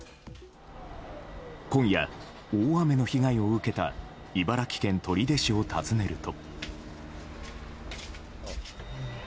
今夜、大雨の被害を受けた茨城県取手市を訪ねると。